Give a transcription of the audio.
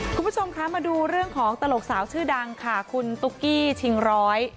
คุณผู้ชมคะมาดูเรื่องของตลกสาวชื่อดังค่ะคุณตุ๊กกี้ชิงร้อย